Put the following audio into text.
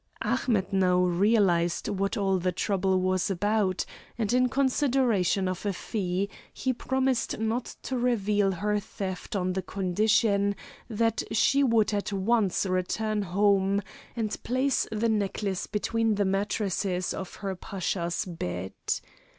Ahmet now realized what all the trouble was about, and in consideration of a fee, he promised not to reveal her theft on the condition that she would at once return home and place the necklace between the mattresses of her Pasha's bed.